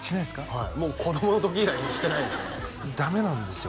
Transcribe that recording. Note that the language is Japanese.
はい子供の時以来してないダメなんですよ